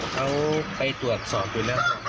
เค้าไปตรวจสอบกฎแล้ว